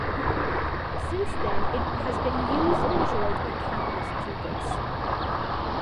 Since then it has been used and enjoyed by countless pupils.